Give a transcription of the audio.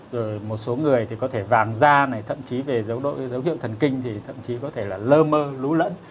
rồi một số người thì có thể vàng da này thậm chí về dấu hiệu thần kinh thì thậm chí có thể là lơ mơ lú lẫn